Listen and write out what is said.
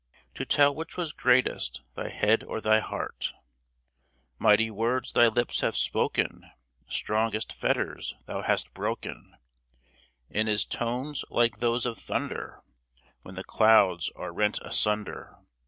To tell which was greatest, thy head or thy heart ! Mighty words thy lips have spoken — Strongest fetters thou hast broken — And in tones like those of thunder, When the clouds are rent asunder.